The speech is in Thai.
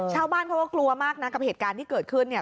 ชาวบ้านเขาก็กลัวมากนะกับเหตุการณ์ที่เกิดขึ้นเนี่ย